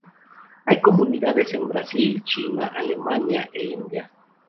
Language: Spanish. Hay comunidades en Brasil, China, Alemania e India.